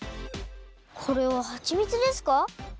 これははちみつですか？